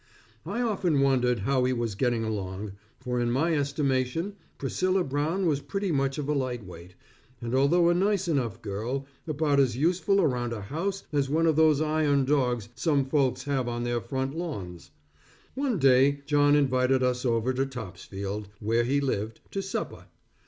I often wondered how he was getting along, for in my estimation Priscilla Brown was pretty much of a lightweight, and although a nice enough girl, about as useful around a house, as one of those iron dogs some folks have on their front lawns. One day, John invited us over to Topsfield, where he lived, to supper.